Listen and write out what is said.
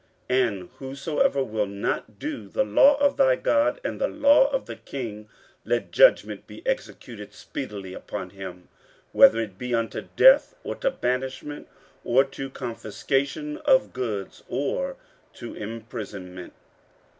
15:007:026 And whosoever will not do the law of thy God, and the law of the king, let judgment be executed speedily upon him, whether it be unto death, or to banishment, or to confiscation of goods, or to imprisonment.